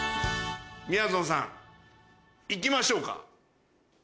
みやぞんさん行きましょうか。